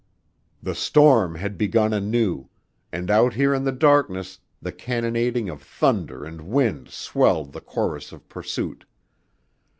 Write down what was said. The storm had begun anew, and out here in the darkness the cannonading of thunder and wind swelled the chorus of pursuit.